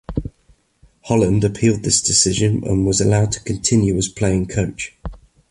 Holland appealed this decision and was allowed to continue as playing coach.